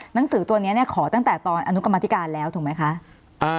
หนังสือตัวนี้เนี่ยขอตั้งแต่ตอนอนุกรรมธิการแล้วถูกไหมคะ